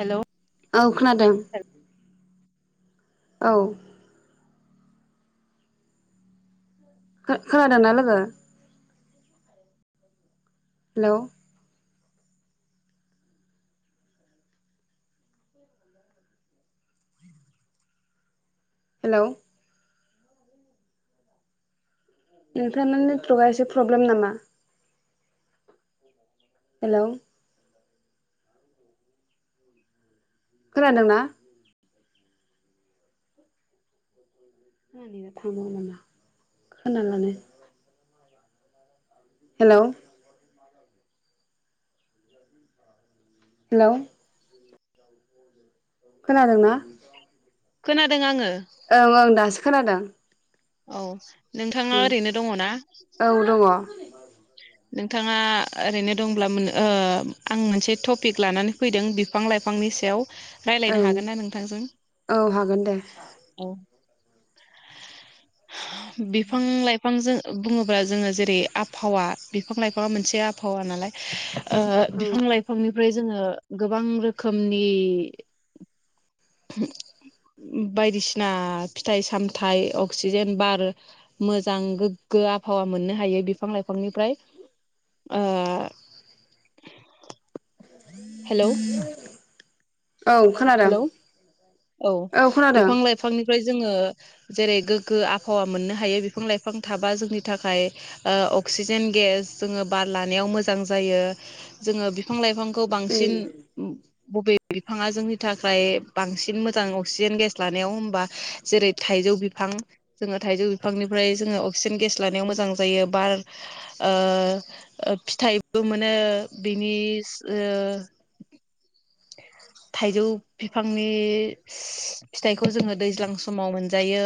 Hello औ खोनादों। औ। खोनादोंना लोगो? हेलौ। हेलौ। नोंथांना नेटवर्कआ एसे प्रब्लेम नामा? हेलौ। खोनादोंना? खामानियाव थांमारो नामा खोनानानै? हेलौ। हेलौ। खोनादोंना? खोनादों आङो। ओं ओं दासो खोनादों। औ नोंथाङा ओरैनो दङ ना? दङ नोंथाङा ओरैनो दंब्ला मोन ओ आं मोनसे टपिक लानानै फैदों बिफां लाइफां बिफांनि सायाव रायलायनो औ हागोन ना नोंथांजों? औ हागोन दे औ बिफां लाइफांजों बुङोब्ला जोङो जेरै आबहावा बिफां लाइफांआ मोनसे आबहावा नालाय ओ औ बिफां लाइफांनि ओमफ्राय जोङो गोबां रोखोमनि बायदिसिना फिथाइ सामथाइ अक्सिजेन बार मोजां गोग गो आबहावा मोननो हायो बिफां लाइफांनिफ्राय ओ। हेलौ। औ खोनादों हेल' औ बिफां लाइफांनि फ्राय जोङो जेरै गोग्गो आबहावा मोननो हायो बिफां लाइफां थाबा जोंनि थाखाय ओ अक्सिजेन गेस जोङो बार लानायाव मोजां जायो जोङो बिफां लाइफां खौ औ बांसिन बबे बिफाङा जोंनि थाखाय बांसिन मोजां अक्सिजेन गेस लानायाव होमबा जेरै थाइजौ बिफां जोङो थाइजौ बिफांनिफ्राय जोङो अक्सिजेन गेस लानायाव मोजां जायो बार ओ ओ फिथाइबो मोनो बिनि ओ थाइजौ बिफांनि फिथाइखौ जोङो दैज्लां समाव मोन जायो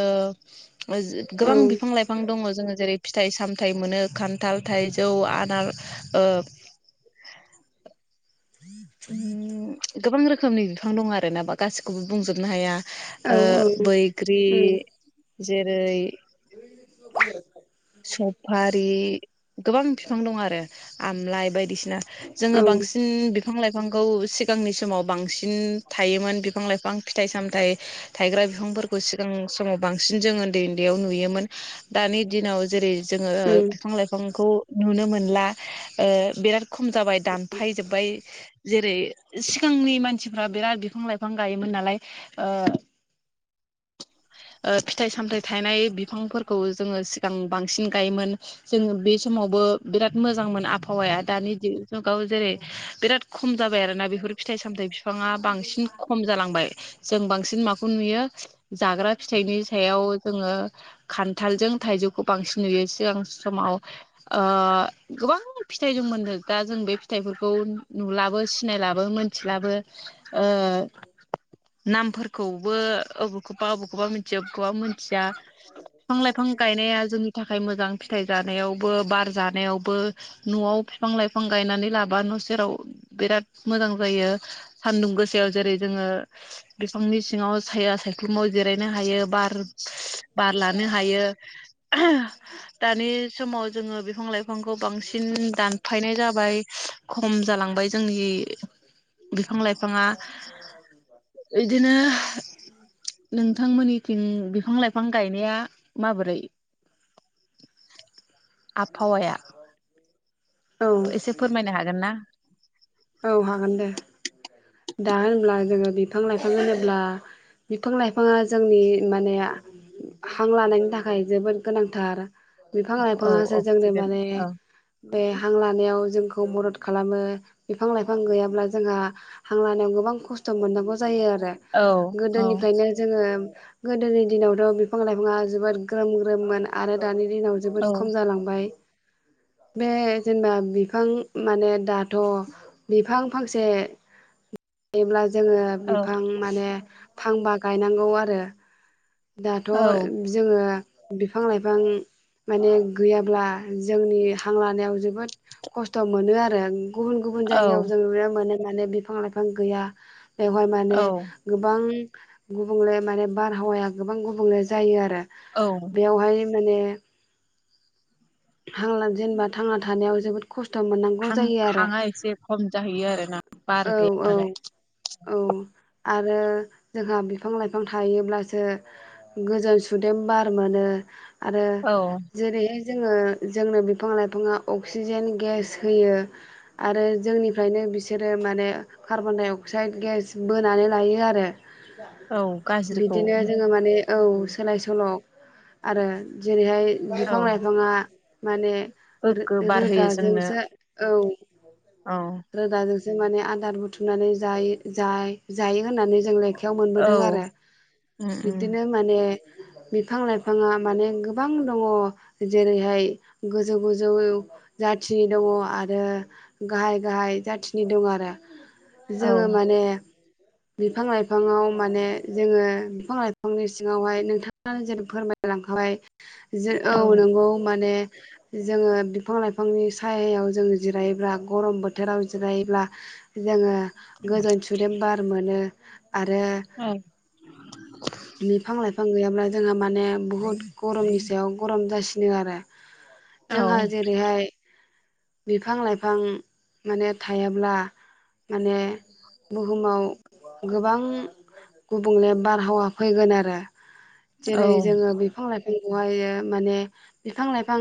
औ गोबां बिफां लाइफां दङ जोङो जेरै फिथाइ साम फिथाइ मोनो खान्थाल थाइजौ आनार ओ गोबां [inaudible] रोखोमनि बिफां दं आरो नामा गासिखौबो बुंजोबनो हाया ओ औ बैग्रि जेरै [unintelligible] सफारि गोबां बिफां दं आरो आमलाइ बायदिसिना जोङो बांसिन बिफां लाइफांखौ सिगांनि समाव बांसिन थायोमोन बिफां लाइफां फिथाइ सामथाइ थायग्रा बिफांफोरखौ सिगां समाव बांसिन जों उन्दै उन्दैयाव नुयोमोन दानि दिनाव जेरै जोङो बिफां लाइफां खौ नुनो मोनला ओ बिराद खम जाबाय दानफायजोबबाय जेरै सिगांनि मानसिफ्रा बिराद बिफां लाइफां गायोमोन नालाय ओ [inaudible] ओ फिथाइ सामथायाइ थाइनाय बिफांफोरखौ जोङो सिगां बांसिन गायोमोन जोंङो बे समावबो बिराद मोजां मोन आवबाहाया दानि जुगाव जेरै बिराद खम जाबाय आरोना बेफोर फिथाइ सामथाइ बिफाङा बांसिन खम जालांबाय जों बांसिन माखौ नुयो जाग्रा फिथाइनि सायाव जोङो खान्थालजों थाइजौखौ बांसिन नुयो सिगां समाव ओ गोबां फिथाइ दंमोननो दा जों बे फिथाइफोरखौ नुलाबो सि नायलाबो मिथिलाबो ओ नामफोरखौबो ओ बावखौबा ओबावबखौबा मिथिया बेखौबा मिथिया बिफां लाइफां गायनाया जोंनि थाखाय मोजां फिथाइ जानायावबो बार जानायावबो न'आव बिफां लाइफां गायनानै लाबा सेराव बिराद मोजां जायो सानदुं गोसायाव जेरै जोङो बिफांनि सिङाव साया सा ख्लुमाव जिरायनो हायो बार बार लानो हायो दानि समाव जोङो बिफां लाइफांखौ बांसिन दानफायनाय जाबाय खम जालांबाय जोंनि बिफां लाइफाङा बिदिनो नोंथांमोननिथिं बिफां लाइफां गायनाया माबोरै [inaudible] आबहावाया [unintelligible] औ एसे फोरमायनो हागोन ना? औ हागोन दे दा होनब्ला जोङो बिफां लाइफां होनोब्ला बिफां लाइफाङा जोंनि माने हां लानायनि थाखाय जोबोद गोनांथार बिफां औ लाइफाङासो जोंनो अक्सिजेन माने औ बे हां लानायाव जों खौ मदद खालामो । बिफां लाइफां गैयाब्ला जोंहा हां लानायाव गोबां खस्थ' मोननांगौ जायो आरो थिगोन गोदोनिफ्रायनो जोङो गोदोनि दिनावथ' बिफां लाइफाङा जोबोद ग्रोम ग्रोममोन आरो दानि दिनाव औ जोबोद खम जालांबाय । बे जेनेबा बिफां माने दाथ' बिफां फांसे थायोब्ला जोङो औ बिफां माने फांबा गायनांगौ आरो दाथ' जोङो बिफां लाइफां माने गैयाब्ला जोंनि हांलानायाव जोबोद खस्थ' मोनो आरो गुबुन गुबुन औ जायगायाव जों नुनो मोनो माने बिफां लाइफां गैया बेवहाय माने औ गोबां गुबुंले माने बारहावाया गोबां गुबुंले जायो आरो औ बेयावहाय माने हांला जेनेबा थांना थानायाव जोबोद खस्थ' मोननांगौ हां जायो हां आरो आ एसे खम जाहैयो आरो ना? बार औ गैया औ नालाय औ । आरो जोंहा बिफां लाइफां थायोब्लासो गोजोन सुदेम बार मोनो । आरो औ जेरै जोङो जोंनो बिफां लाइफाङा अक्सिजेन गेस होयो आरो जोंनिफ्रायनो बिसोर आरो माने कार्बनडाइ अक्साइद गेस बोनानै लायो आरो औ गाज्रिखौ बिदिनो जोङो माने औ सोलाय सोल' आरो जेरैहाय औ बिफां लाइफाङा माने गोग्गो बार होयो जोंनो रोदाजोंसो औ औ रोदाजोंसो जों माने आदार बुथुमनानै जायो जायो होननानै जों ले आखायाव औ मोनबोदों आरो उम उम बिदिनो माने बिफां लाइफाङा माने गोबां दङ जेरैहाय गोजौ-गोजौ जाथि दङ आरो गाहाय-गाहाय जाथि नि दं आरो औ जोङो माने बिफां लाइफाङाव माने जोङो बिफां लाइफांनि सिङावहाय नोंथांनो आं जेरै फोरमाय लांखाबाय जो औ नंगौ माने जोङो बिफां लाइफांनि सायायाव जोङो जिरायोब्ला गरम बोथोराव जिरायोब्ला जोङो गोजोन सुदेम बार मोनो‌। आरो औ बिफां लाइफां गैयाब्ला जोङो माने बुहुत गरमनि सायाव गरम जासिनो आरो। औ जोंहा जेरैहाय बिफां लाइफां माने थायाब्ला माने बुहुमाव गोबां गुबुंले बारहावा फैगोन आरो औ जेरै जोङो बिफां लाइफां जों हायो माने बिफां लाइफां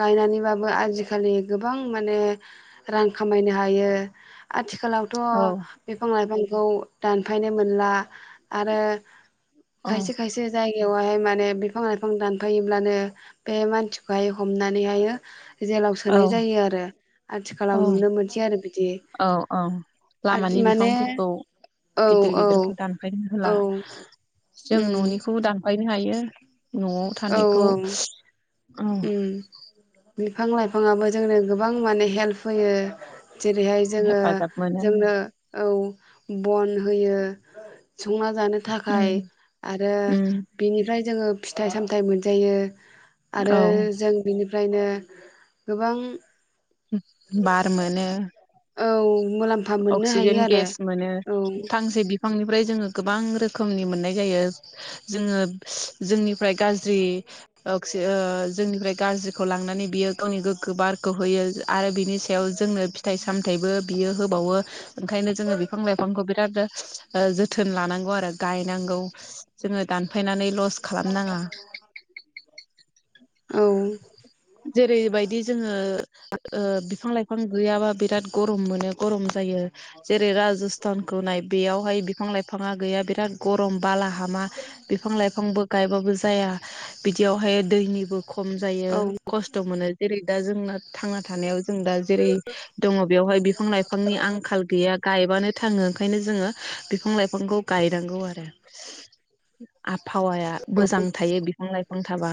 गायनानैबाबो आजिखालि गोबां माने रां खामायनो हायो आथिखालावथ' बिफां लाइफां खौ दानफायनो मोनला आरो औ खायसे-खायसे जायगायावहाय माने बिफां लाइफां दानफायोब्लानो बे मानसिखौहाय हमनानै हायो जेलाव सोनाय जायो आरो औ आथिखालाव नुनो मोन खान्थि आरो‌ बिदि औ औ आर माने औ औ गिदिर-गिदिरखौ दानफायनो होला औ जों उम न'निखौबो दानफायनो हायो। न'आव औ औ थानायखौ औ उम बिफां लाइफाङाबो जोंनो गोबां माने हेल्प होयो। जेरैहाय जोङो हेफाजाब मोनो जोंनो औ बन होयो संना जानो थाखाय उम आरो उम बिनिफ्राय जोङो फिथाइ सामथाइ मोनजायो आरो औ जों बिनिफ्रायनो गोबां बार मोनो। औ मुलाम्फा मोननो हायो अक्सिजेन आरो गेस मोनो औ फांसे बि बिफांनिफ्राय जोङो गोबां रोखोमनि मोननाय जायो जोङो जोंनिफ्राय गाज्रि अक्सि ओ जोंनिफ्राय गाज्रिखौ लांनानै बियो गावनि गोग्गो बारखौ होयो आरो बिनि सायाव जोंनो फिथाइ साम थाइबो बियो होबावो ओंखायनो जोङो बिफां लाइफांखौ ओ जोथोन लानांगौ आरो गा गायनांगौ जोङो दानफायनानै लस खालामनाङा। औ। जेरैबायदि जोङो ओ बिफां लाइफां गैयाबा बिराद गरम मोनो गरम जायो। जेरै राजस्थानखौ नाय बेयावहाय बिफां लाइफाङा गैया बिराद गरम बाला हामा बिफां लाइफांबो गायबाबो जाया बिदियावहाय दैनिबो खम जायो औ खस्थ' मोनो जेरै दा जोंना थांना थानायाव जों दा जेरै दङ बेयावहाय बिफां लाइफांनि आंखाल गैया गायबानो थाङो ओंखायनो जोङो बिफां लाइफांखौ गायनांगौ आरो। आबहावाया मोजां थायो बिफां लाइफां थाबा।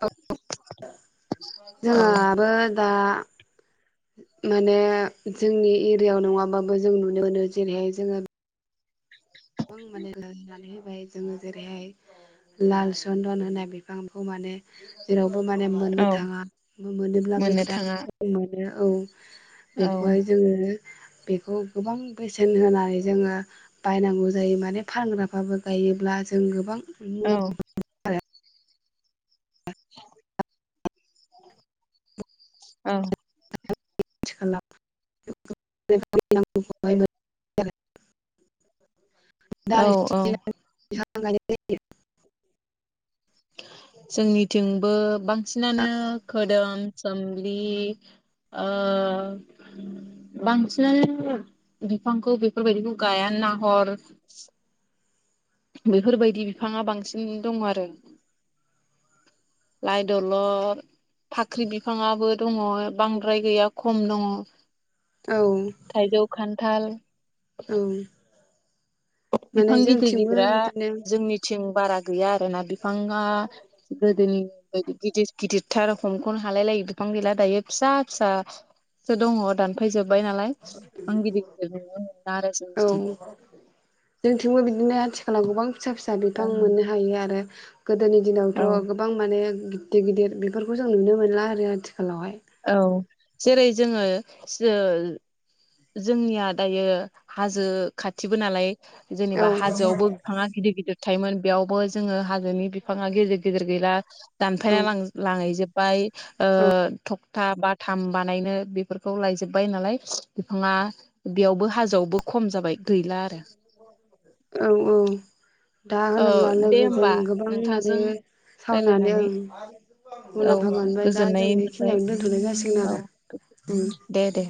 [unintelligible] औ जोंहाबो दा [inaudible] माने जोंनि एरियायाव नङाबाबो जों नुनो मोनो जेरैहाय जोङो गोबां माने लनानै जोङो जेरैहाय लाल सन्दन होनाय बिफांखौ माने जेराव खौ माने औ मोननो थाङा मोनोब्लाबो मोननो बिराद थाङा खम मोनो औ। औ बेखौहाय जोङो बेखौ गोबां बेसेन होनानै जोङो बायनांगौ जायो जायो माने फानग्राफ्राबो गायोब्ला जों गोबां औ मुलाम्फा मोनो। [unintelligible] औ। [inaudible] [inaudible] औ औ [inaudible] जोंनिथिंबो बांसिनानो जायो। खोदोम सोम्लि ओ बांसिनानो बिफांखौ बेफोरबायदिखौ गायानो नाहर बेफोरबायदि बिफाङा बांसिन दं आरो। लाय दलर फाख्रि बिफाङाबो दङ बांद्राय गैया खम दङ औ थायजौ खान्थाल। औ। माने बिफां गिदिर जोंथिंबो गिदिरा बिदिनो जोंनिथिं बारा गैया आरोना बिफांआ गोदोनि बायदि गिदिर गिदिरथार हमखनो हालाय लायि बिफां गैला दायो फिसा-फिसासो दङ दान फैजोबबाय नालाय आं गिदिर गिदिर ननो मोना आरो औ जोंनिथिं। जोंथिंबो बिदिनो आथिखालाव गोबां फिसा फिसा बिफां मोननो हायो आरो। गोदोनि दिनावथ' गोबां माने गिददिर गिदिर बेफोरखौ जों नुनो मोनला आरो आथिखाल औ जेरै जोङो जो जोंनिया दायो हाजो खाथिबो नालाय औ जेनेबा हाजोआवबो बिथाङा गिदिर गिदिर थायोमोन बेयावबो जोङो हाजो नि बिफाङा गेजेर गेजेर गैला औ दानफायना लां-लाजोब बाय ओ औ थखथा बााथाम बानायनो बेफोरखौ लायजोब्बाय नालाय। बिफाङा बेयावबो हाजोआवबो खम जाबाय गैला आरो औ औ दा औ होनोब्ला दे लोगोजों होमबा गोबां आरो नोंथांजों सावनानै रायलायनानै औ मुलाम्फा मोनबाय दा जों गोजोननाय मोनबाय बेखिनियावनो दोनथ'नाय औ जासिगोन आरो ओम दे दे।